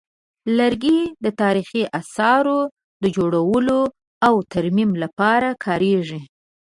لرګي د تاریخي اثارو د جوړولو او ترمیم لپاره کارېږي.